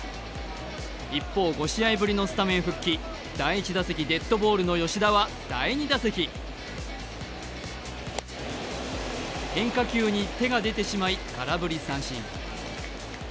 一方、５試合ぶりのスタメン復帰、第１打席デッドボールの吉田は第２打席、変化球に手が出てしまい、空振り三振。